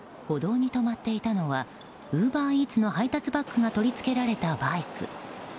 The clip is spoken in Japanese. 歩道に止まっていたのはウーバーイーツの配達バッグが取り付けられたバイク。